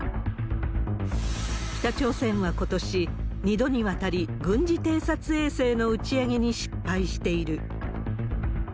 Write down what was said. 北朝鮮はことし、２度にわたり、軍事偵察衛星の打ち上げに失敗している。